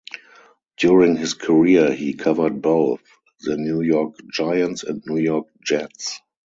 During his career he covered both the New York Giants and New York Jets.